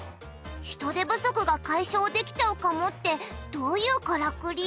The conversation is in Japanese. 人手不足が解消できちゃうかもってどういうカラクリ？